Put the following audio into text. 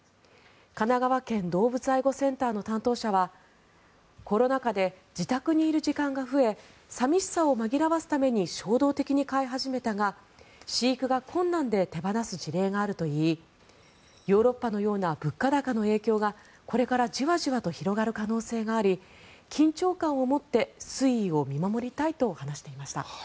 神奈川県動物愛護センターの担当者はコロナ禍で自宅にいる時間が増え寂しさを紛らわせるために衝動的に飼い始めたが飼育が困難で手放す事例があるといいヨーロッパのような物価高の影響がこれからじわじわと広がる可能性があり緊張感を持って推移を見守りたいと話していました。